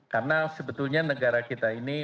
karena sebetulnya negara kita ini